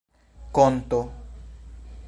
konto